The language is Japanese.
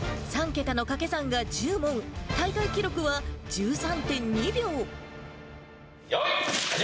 ３桁のかけ算が１０問、大会記録は１３．２秒。